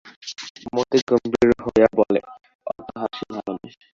মতি গম্ভীর হইয়া বলে, অত হাসি ভালো নয়।